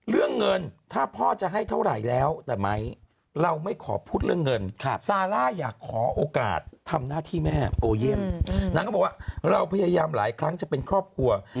เรื่องเงินถ้าพ่อจะให้เท่าไหร่แล้ว